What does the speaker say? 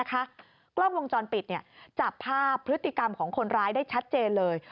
กล้องวงจรปิดจับภาพพฤติกรรมของคนร้ายได้ชัดเจนเลย